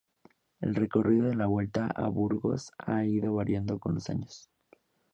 El recorrido de la Vuelta a Burgos ha ido variando con los años.